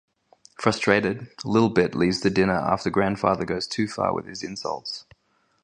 Frustrated, Li'l Bit leaves the dinner after Grandfather goes too far with his insults.